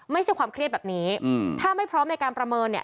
ไม่ใช่ความเครียดแบบนี้ถ้าไม่พร้อมในการประเมินเนี่ย